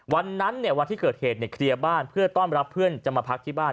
วันที่เกิดเหตุเคลียร์บ้านเพื่อต้อนรับเพื่อนจะมาพักที่บ้าน